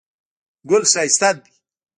ګل ښایسته دی